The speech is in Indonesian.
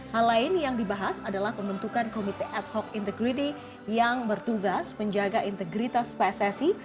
hal lain yang dibahas adalah pembentukan komite ad hoc integrity yang bertugas menjaga integritas pssi